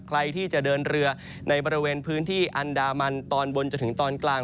ใครที่จะเดินเรือในบริเวณพื้นที่อันดามันตอนบนจนถึงตอนกลาง